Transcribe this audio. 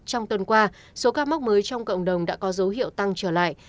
trong tuần qua số ca mắc mới trong cộng đồng đã có dấu hiệu tăng trở lại